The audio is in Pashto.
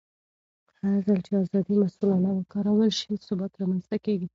هرځل چې ازادي مسؤلانه وکارول شي، ثبات رامنځته کېږي.